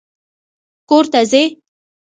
کور ته ځې!